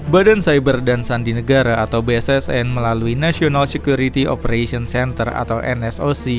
badan cyber dan sandi negara atau bssn melalui national security operation center atau nsoc